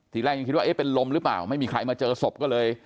ทีแรกยังคิดว่าเอ๊ะเป็นลมหรือเปล่าไม่มีใครมาเจอศพก็เลย